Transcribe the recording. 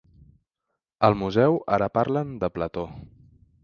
Al museu ara parlen de Plató.